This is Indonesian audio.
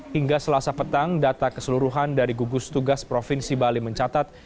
hingga selasa petang data keseluruhan dari gugus tugas provinsi bali mencatat